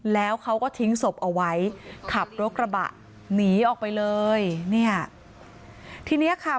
แล้วเขาก็ทิ้งศพเอาไว้ขับรถกระบะหนีออกไปเลยเนี่ยทีเนี้ยค่ะ